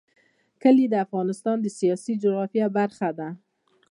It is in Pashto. کلي د افغانستان د سیاسي جغرافیه برخه ده.